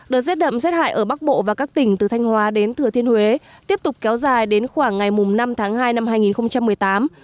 đợt rét đậm rét hại ở bắc bộ và các tỉnh từ thanh hóa đến thừa thiên huế tiếp tục kéo dài đến khoảng ngày năm tháng hai năm hai nghìn một mươi tám